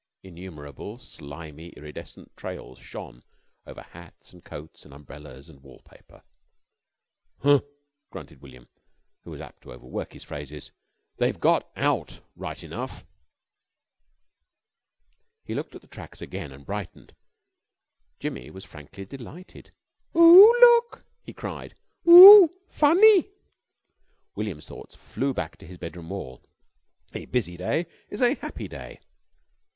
Innumerable slimy iridescent trails shone over hats, and coats, and umbrellas, and wall paper. "Huh!" grunted William, who was apt to overwork his phrases. "They've got out right enough." He looked at the tracks again and brightened. Jimmy was frankly delighted. "Oo! Look!" he cried, "Oo funny!" William's thoughts flew back to his bedroom wall "A Busy Day is a Happy Day."